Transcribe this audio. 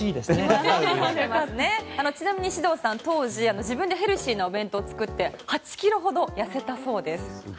ちなみに獅童さん当時自分でヘルシーのお弁当を作って８キロほど痩せたそうです。